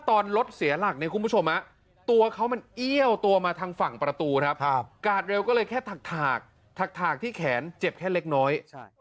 ตากที่แขนเจ็บแค่เล็กน้อย